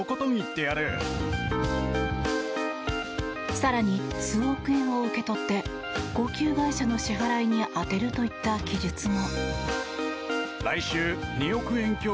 更に、数億円を受け取って高級外車の支払いに充てるといった記述も。